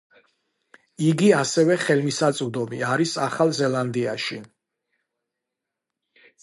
იგი ასევე ხელმისაწვდომი არის ახალ ზელანდიაში.